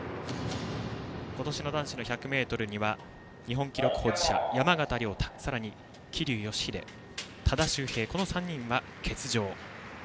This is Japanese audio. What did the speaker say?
今年の男子の１００ｍには日本記録保持者の山縣亮太、桐生祥秀、多田修平この３人は欠場。